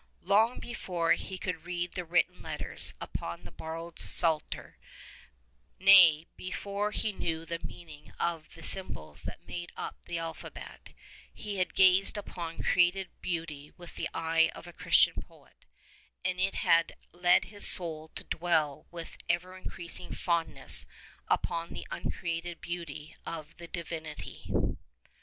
Long before he could read the written letters upon the borrowed Psalter^ — nay before he knew the meaning of the symbols that make up the alphabet, he had gazed upon created beauty with the eye of a Christian poet, and it had led his soul to dwell with ever increasing fondness upon the Uncreated Beauty of the Divinity.